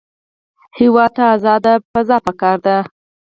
هېواد ته ازاد قضا پکار دی